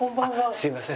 すいません